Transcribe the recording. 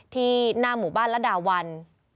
ที่หน้าหมู่บ้านระดาวัน